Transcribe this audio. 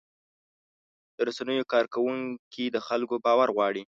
د رسنیو کارکوونکي د خلکو باور غواړي.